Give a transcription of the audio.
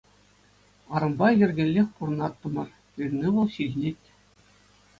Арӑмпа йӗркеллех пурӑнаттӑмӑр, пирӗн ывӑл ҫитӗнет.